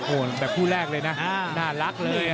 โอ้โหแบบคู่แรกเลยนะน่ารักเลย